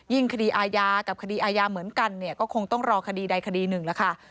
คดีอาญากับคดีอาญาเหมือนกันเนี่ยก็คงต้องรอคดีใดคดีหนึ่งแล้วค่ะ